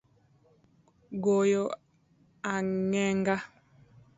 Goyo agenga